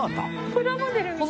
プラモデルみたい。